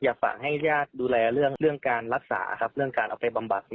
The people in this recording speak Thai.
ฝากให้ญาติดูแลเรื่องการรักษาครับเรื่องการเอาไปบำบัด